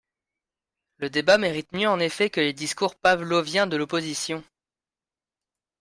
Le débat mérite mieux en effet que les discours pavloviens de l’opposition.